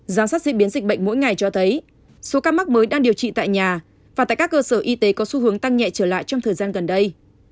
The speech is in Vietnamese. giám sát diễn biến dịch bệnh mỗi ngày cho thấy số ca mắc mới đang điều trị tại nhà và tại các cơ sở y tế có xu hướng tăng nhẹ trở lại trong thời gian gần đây